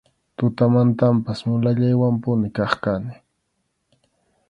Tutamantanpas mulallaywanpuni kaq kani.